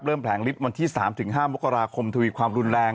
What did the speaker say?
เริ่มแผลงลิฟต์วันที่๓๕มกราคมทวีความรุนแรง